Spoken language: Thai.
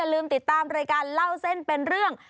ลืมติดตามรายการเล่าเส้นเป็นเรื่อง